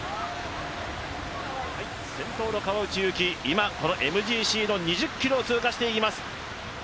先頭の川内優輝、今ＭＧＣの２０ｋｍを通過していきます。